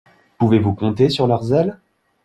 Pouvez-vous compter sur leur zèle?